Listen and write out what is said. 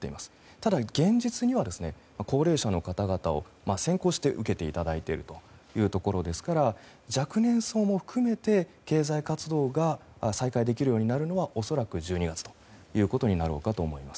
ただ、現実には高齢者の方々に先行して受けていただいているというところですから若年層も含めて経済活動が再開できるようになるのは恐らく１２月ということになろうかと思います。